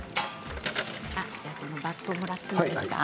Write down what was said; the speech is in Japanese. バットをもらっていいですか。